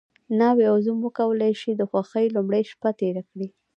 ناوې او زوم وکولی شي د خوښۍ لومړۍ شپه تېره کړي.